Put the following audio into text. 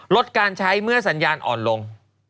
ลดการใช้เมื่อสัญญาณอ่อนลง